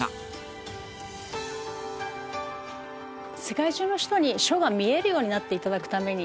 世界中の人に書が見えるようになっていただくために作った物で。